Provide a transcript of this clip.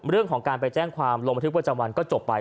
เรื่องของการไปแจ้งความลงบันทึกประจำวันก็จบไป